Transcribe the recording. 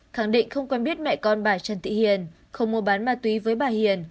khẳng định không quen biết mẹ con bà trần thị hiền không mua bán ma túy với bà hiền